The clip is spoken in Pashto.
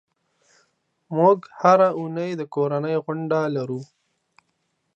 موږ هره اونۍ د کورنۍ غونډه لرو.